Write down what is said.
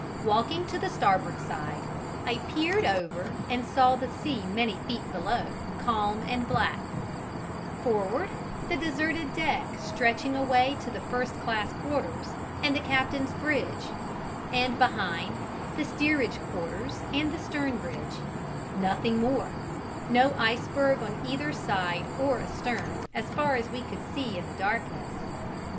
Walking to the starboard side, I peered over and saw the sea many feet below, calm and black; forward, the deserted deck stretching away to the first class quarters and the captain's bridge; and behind, the steerage quarters and the stern bridge; nothing more: no iceberg on either side or astern as far as we could see in the darkness.